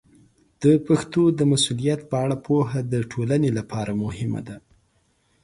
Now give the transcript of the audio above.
د پښتو د مسوولیت په اړه پوهه د ټولنې لپاره مهمه ده.